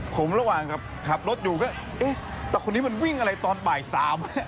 ผมระหว่างกับขับรถอยู่ก็เอ๊ะแต่คนนี้มันวิ่งอะไรตอนบ่าย๓